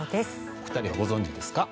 お二人はご存じですか？